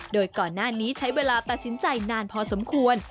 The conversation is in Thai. โดยก่อนหน้านี้ใช้เวลาตัดสินใจนานพอสมควร